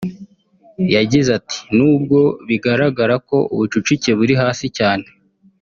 yagize ati “N’ubwo bigaragara ko ubucucike buri hasi cyane